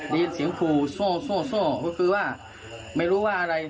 ได้ยินเสียงขู่โซ่ก็คือว่าไม่รู้ว่าอะไร